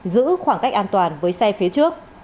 giữ khoảng cách an toàn với xe phía trước